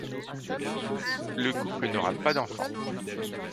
Le couple n'aura pas d'enfant.